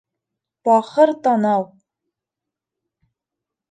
Бахыр танау!